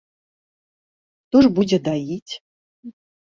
Хто ж будзе даіць?